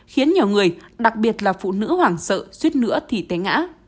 khiến nhiều người đặc biệt là phụ nữ hoảng sợ suýt nữa thì té ngã